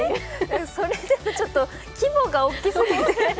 それだとちょっと規模が大きすぎて。